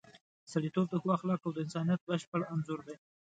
سړیتوب د ښو اخلاقو او د انسانیت بشپړ انځور دی.